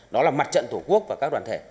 đó là mặt trận tổ quốc và các đoàn thể